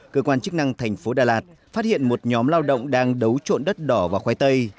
cơ quan chức năng tp đà lạt phát hiện một nhóm lao động đang đấu trộn đất đỏ vào khoai tây